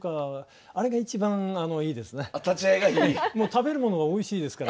食べるものがおいしいですから。